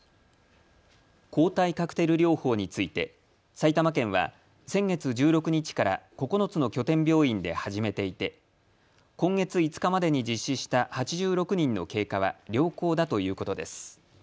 抗体カクテル療法について埼玉県は先月１６日から９つの拠点病院で始めていて今月５日までに実施した８６人の経過は良好だということです。